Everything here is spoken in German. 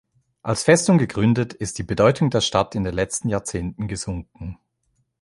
Als Festung gegründet, ist die Bedeutung der Stadt in den letzten Jahrzehnten gesunken.